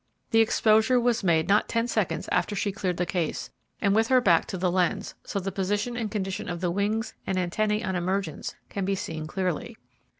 The exposure was made not ten seconds after she cleared the case, and with her back to the lens, so the position and condition of the wings and antennae on emergence can be seen clearly.